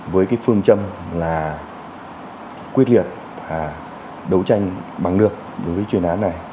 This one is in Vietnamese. với cái phương châm là quyết liệt và đấu tranh bằng được với chuyên án này